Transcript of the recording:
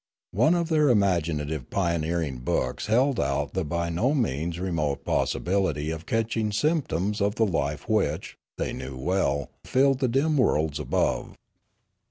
One of their imagina tive pioneering books held out the by no means remote possibility of catching symptoms of the life which, they knew well, filled the dim worlds above.